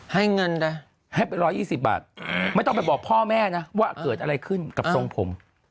ให้เงินไปให้ไป๑๒๐บาทไม่ต้องไปบอกพ่อแม่นะว่าเกิดอะไรขึ้นกับทรงผม